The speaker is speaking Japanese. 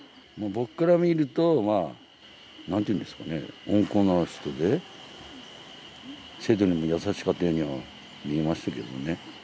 僕から見ると、なんていうんですかね、温厚な人で、生徒にも優しかったようには見えましたけれどもね。